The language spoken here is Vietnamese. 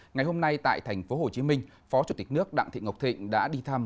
ngày hôm nay tại tp hcm phó chủ tịch nước đặng thị ngọc thịnh đã đi thăm